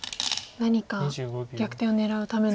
何か逆転を狙うための。